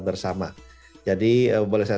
bersama jadi boleh saya